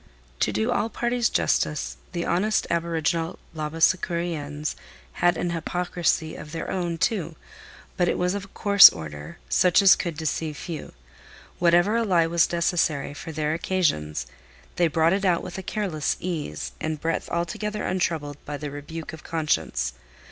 To do all parties justice, the honest aboriginal Labassecouriennes had an hypocrisy of their own, too; but it was of a coarse order, such as could deceive few. Whenever a lie was necessary for their occasions, they brought it out with a careless ease and breadth altogether untroubled by the rebuke of conscience.